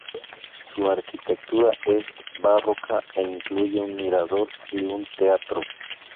Su arquitectura es barroca e incluye un mirador y un teatro.